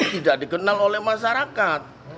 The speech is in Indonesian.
tidak dikenal oleh masyarakat